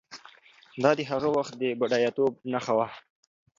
دا د هغه وخت د بډایه توب نښه وه.